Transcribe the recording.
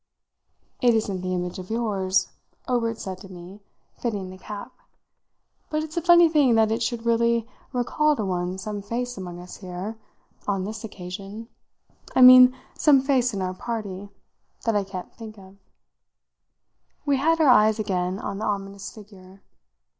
"It isn't the image of yours," Obert said to me, fitting the cap, "but it's a funny thing that it should really recall to one some face among us here, on this occasion I mean some face in our party that I can't think of." We had our eyes again on the ominous figure.